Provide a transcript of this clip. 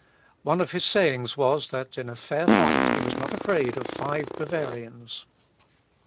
One of his sayings was, that in fair fight he was not afraid of five Bavarians.